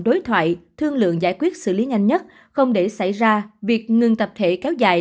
đối thoại thương lượng giải quyết xử lý nhanh nhất không để xảy ra việc ngừng tập thể kéo dài